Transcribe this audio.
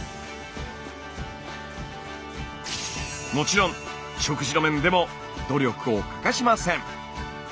もちろん食事の面でも努力を欠かしません。